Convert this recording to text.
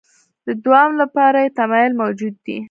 د دوام لپاره یې تمایل موجود دی.